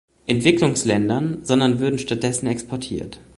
Entwicklungsländern, sondern würden stattdessen exportiert.